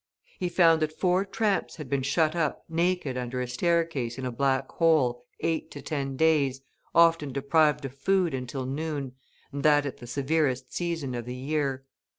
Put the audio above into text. He found that four tramps had been shut up naked under a staircase in a black hole, eight to ten days, often deprived of food until noon, and that at the severest season of the year.